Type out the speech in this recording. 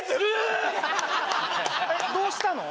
えっどうしたの？